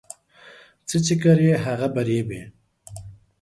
څه چې کرې، هغه به ريبې